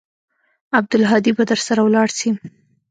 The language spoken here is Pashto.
عبدالهادي به درسره ولاړ سي.